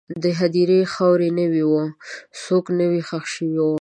د هدیرې خاوره نوې وه، څوک نوی ښخ شوي وو.